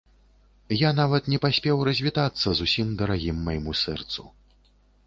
Я нават не паспеў развітацца з усім дарагім майму сэрцу.